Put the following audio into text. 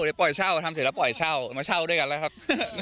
เดี๋ยวปล่อยเช่าทำเสร็จแล้วปล่อยเช่ามาเช่าด้วยกันแล้วครับ